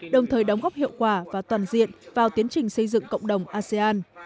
đồng thời đóng góp hiệu quả và toàn diện vào tiến trình xây dựng cộng đồng asean